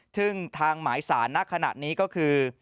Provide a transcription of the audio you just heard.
ซึ่งทางหมายสารนักขนาดนี้ก็คือ